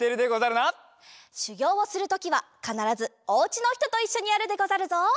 しゅぎょうをするときはかならずおうちのひとといっしょにやるでござるぞ。